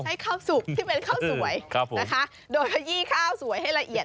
ให้ข้าวสุกที่เป็นข้าวสวยนะคะโดยขยี้ข้าวสวยให้ละเอียด